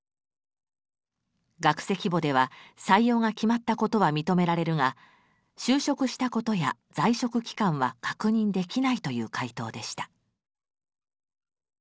学籍簿では採用が決まったことは認められるが就職したことや在職期間は確認できないという回答でした。